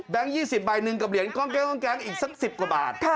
๒๐ใบหนึ่งกับเหรียญกล้องแก๊งอีกสัก๑๐กว่าบาท